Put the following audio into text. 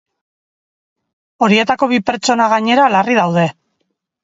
Horietako bi pertsona, gainera, larri daude.